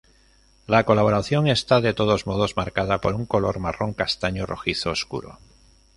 La coloración está de todos modos marcada por un color marrón castaño rojizo oscuro.